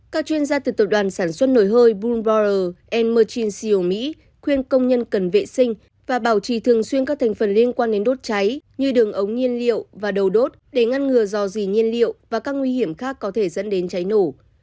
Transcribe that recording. các chuyên gia từ tập đoàn sản xuất nổi hơi bloomberg merchantsio mỹ khuyên công nhân cần vệ sinh và bảo trì thường xuyên các thành phần liên quan đến đốt cháy như đường ống nhiên liệu và đầu đốt để ngăn ngừa do gì nhiên liệu và các nguy hiểm khác có thể dẫn đến cháy nổ